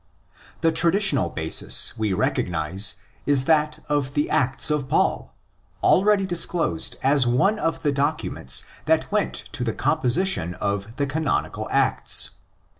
The traditional basis we recognise is that of the Acts of Paul, already disclosed as one of the documents that went to the composition of the canonicalActs.